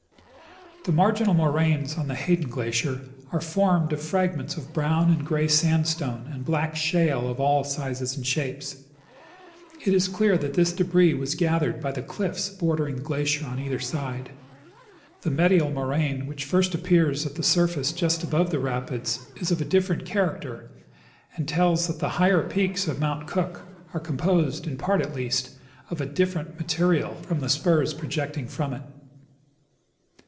The marginal moraines on the Hayden glacier are formed of fragments of brown and gray sandstone and black shale of all sizes and shapes. It is clear that this debris was gathered by the cliffs bordering the glacier on either side. The medial mo raine which first appears at the surface just above the rapids is of a different character, and tells that the higher peaks of Mount Cook are composed, in part at least, of a different material from '^^I > V '/'^l/' ''^' Details of tJie Glacier\3 Surface. Ill the spurs projecting from it.